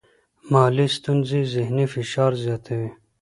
مالي ستونزې ذهنی فشار زیاتوي.